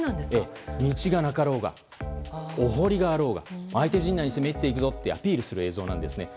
道がなかろうが、お堀があろうが相手陣内に攻め入っていくぞとアピールする映像なんです。